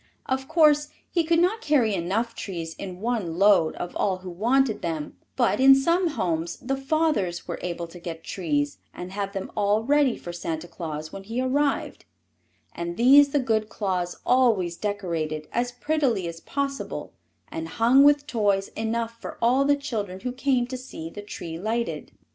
Of course he could not carry enough trees in one load of all who wanted them, but in some homes the fathers were able to get trees and have them all ready for Santa Claus when he arrived; and these the good Claus always decorated as prettily as possible and hung with toys enough for all the children who came to see the tree lighted.